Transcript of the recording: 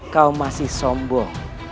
kau masih sombong